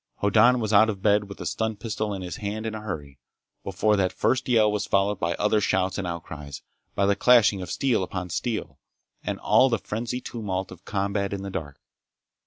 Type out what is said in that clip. Hoddan was out of bed with a stun pistol in his hand in a hurry, before that first yell was followed by other shouts and outcries, by the clashing of steel upon steel, and all the frenzied tumult of combat in the dark.